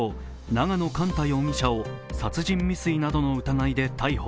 永野莞太容疑者を殺人未遂などの疑いで逮捕。